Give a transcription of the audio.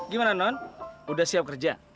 gimana non udah siap kerja